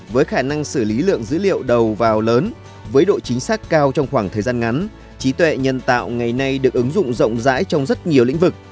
với khả năng xử lý lượng dữ liệu đầu vào lớn với độ chính xác cao trong khoảng thời gian ngắn trí tuệ nhân tạo ngày nay được ứng dụng rộng rãi trong rất nhiều lĩnh vực